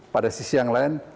pada sisi yang lain